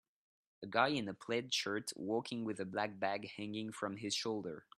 A guy in a plaid shirt walking with a black bag hanging from his shoulder